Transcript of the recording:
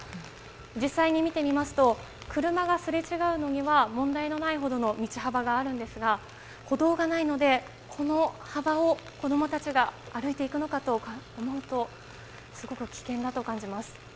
実際に見てみますと車がすれ違うのには問題のないほどの道幅があるんですが歩道がないのでこの幅を子供たちが歩いていくのかと思うとすごく危険だと感じます。